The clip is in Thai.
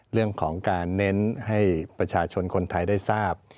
เรื่องของการเน้นให้ประชาชนคนไทยได้ทราบ